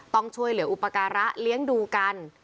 ต้องช่วยเหลืออุปการะเลี้ยงดูกัน